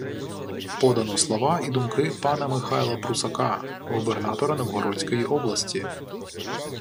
Подано слова і думки пана Михайла Прусака, губернатора Новгородської області